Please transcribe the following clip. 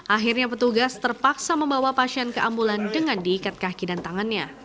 akhirnya petugas terpaksa membawa pasien ke ambulan dengan diikat kaki dan tangannya